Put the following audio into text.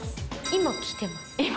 今来てます？